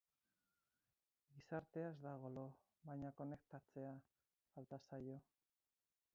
Gizartea ez dago lo, baina konektatzea falta zaio.